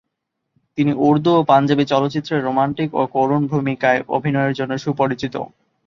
তিনি উর্দু ও পাঞ্জাবি চলচ্চিত্রে রোমান্টিক এবং করুণ ভূমিকায় অভিনয়ের জন্য সুপরিচিত।